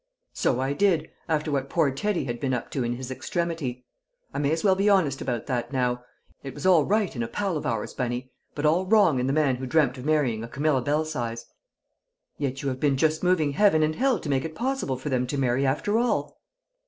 "So I did, after what poor Teddy had been up to in his extremity! I may as well be honest about that now. It was all right in a pal of ours, Bunny, but all wrong in the man who dreamt of marrying Camilla Belsize." "Yet you have just been moving heaven and hell to make it possible for them to marry after all!"